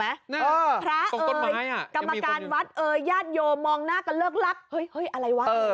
พระเอ๋ยกรรมการวัดเอ๋ยญาติโยมมองหน้ากันเลิกลักษณ์